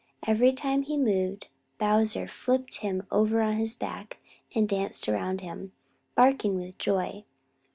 Every time he moved, Bowser flipped him over on his back and danced around him, barking with joy.